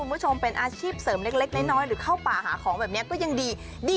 คุณผู้ชมเป็นอาชีพเสริมเล็กน้อยหรือเข้าป่าหาของแบบนี้ก็ยังดี